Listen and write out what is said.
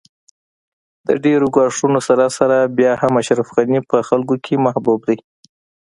د ډېرو ګواښونو سره سره بیا هم اشرف غني په خلکو کې محبوب دی